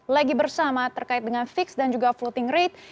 lagi bersama terkait dengan fixed dan floating rate